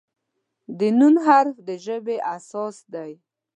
د "ن" حرف د ژبې اساس دی.